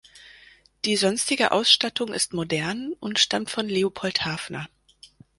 Die sonstige Ausstattung ist modern und stammt von Leopold Hafner.